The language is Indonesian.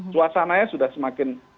suasananya sudah semakin